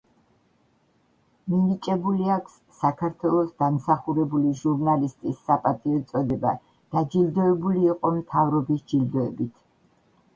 მინიჭებული აქვს საქართველოს დამსახურებული ჟურნალისტის საპატიო წოდება, დაჯილდოებული იყო მთავრობის ჯილდოებით.